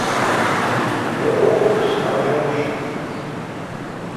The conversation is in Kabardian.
Бгъу хъуху сыножьэнщ.